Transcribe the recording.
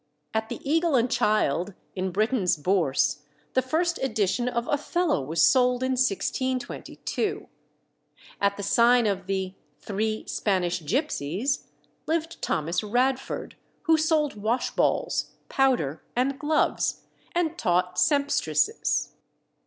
At the Eagle and Child, in Britain's Bourse, the first edition of Othello was sold in 1622. At the sign of the "Three Spanish Gypsies" lived Thomas Radford, who sold wash balls, powder, and gloves, and taught sempstresses.